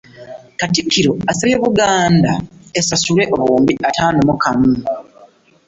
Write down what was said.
Katikkiro Mayiga asabye Buganda esasulwe obuwumbi ataano mu kamu